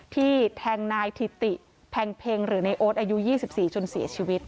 ที่แทงนายถิติแพงเพ็งหรือในโอ๊ตอายุ๒๔จนเสียชีวิต